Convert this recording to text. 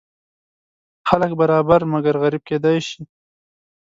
خلک برابر مګر غریب کیدی شي.